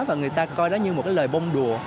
và người ta coi đó như một cái lời bông đùa